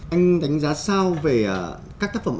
anh đánh giá sao về các tác phẩm